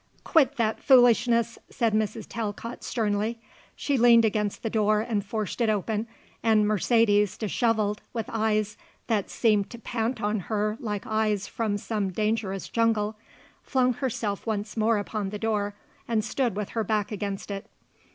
"Quit that foolishness," said Mrs. Talcott sternly. She leaned against the door and forced it open, and Mercedes, dishevelled, with eyes that seemed to pant on her like eyes from some dangerous jungle, flung herself once more upon the door and stood with her back against it.